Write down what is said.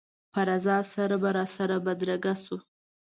په رضا سره به راسره بدرګه شو.